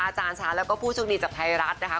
อาจารย์ช้างแล้วก็ผู้โชคดีจากไทยรัฐนะคะ